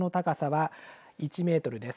予想の高さは１メートル。